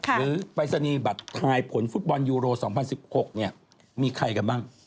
ปรายศนีย์บัตรทายผลฟุตบอลยูโร๒๐๑๖เนี่ยมีใครกันบ้าง